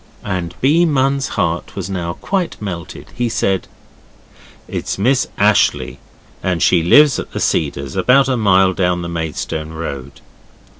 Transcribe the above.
And B. Munn's heart was now quite melted, he said 'It's Miss Ashleigh, and she lives at The Cedars about a mile down the Maidstone Road.